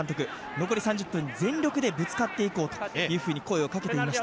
残り３０分、全力でぶつかっていこうというふうに声をかけていました。